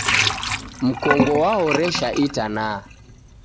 Mkongo wahoresha itanaha.